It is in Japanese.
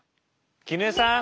絹枝さん。